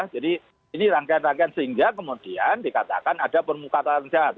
jadi ini rangkaian rangkaian sehingga kemudian dikatakan ada permukaan tahan jahat